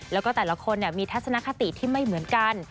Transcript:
แล้วก็แต่ละคนมีทัศนคติที่ไม่เหมือนกัน